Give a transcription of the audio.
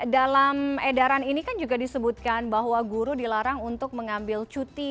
dalam edaran ini kan juga disebutkan bahwa guru dilarang untuk mengambil cuti